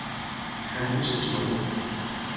خرگوش چابک